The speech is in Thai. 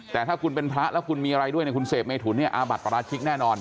แต่ถ้าคุณเป็นพระแล้วคุณมีอะไรด้วยเนี่ยคุณเสพเมถุนเนี่ยอาบัติปราชิกแน่นอน